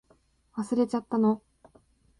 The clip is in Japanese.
忘れちゃったの？